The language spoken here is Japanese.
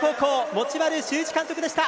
持丸修一監督でした。